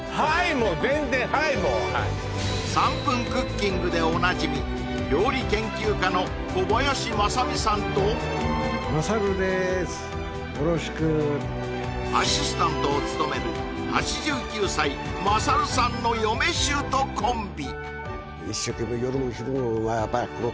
もう全然はいもうはい「３分クッキング」でおなじみ料理研究家の小林まさみさんとよろしくアシスタントを務める８９歳まさるさんの嫁舅コンビ